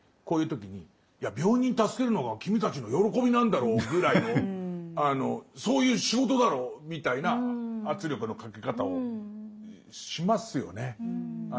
こういう時にいや病人助けるのが君たちの喜びなんだろうぐらいのそういう仕事だろうみたいな圧力のかけ方をしますよね。